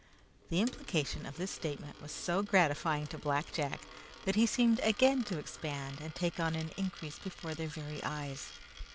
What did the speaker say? The implication of this statement was so gratifying to Black Jack that he seemed again to expand and take on increase before their very eyes.